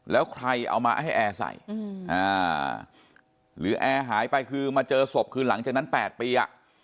แล้วใครเอามาให้แอร์ใส่หรือแอร์หายไปคือมาเจอศพคือหลังจากนั้น๘ปี